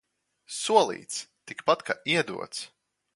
Solīts – tikpat kā iedots.